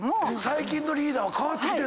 最近のリーダーは変わってきてんの？